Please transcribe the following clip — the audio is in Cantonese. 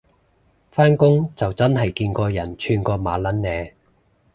返工就真係見過人串過馬撚嘞